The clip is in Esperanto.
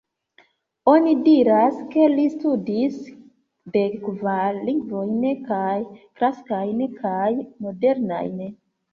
Oni diras ke li studis dek kvar lingvojn, kaj klasikajn kaj modernajn.